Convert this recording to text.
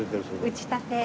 打ち立て。